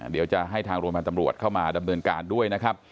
เดี๋ยวจะให้ทางโรงพยาบาลตำรวจเข้ามาดำเนินการด้วยนะครับ